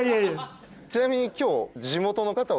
ちなみに今日。